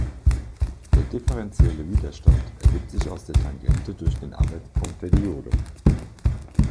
Der differentielle Widerstand ergibt sich aus der Tangente durch den Arbeitspunkt der Diode.